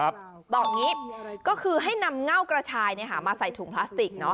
บอกอย่างนี้ก็คือให้นำเง่ากระชายมาใส่ถุงพลาสติก